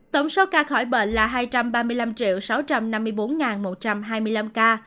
tổng số ca khỏi bệnh là hai trăm ba mươi năm sáu trăm năm mươi bốn một trăm hai mươi năm ca